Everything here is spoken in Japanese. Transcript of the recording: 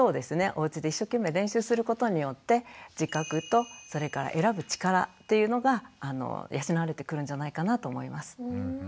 お家で一生懸命練習することによって自覚とそれから選ぶ力っていうのが養われてくるんじゃないかなと思います。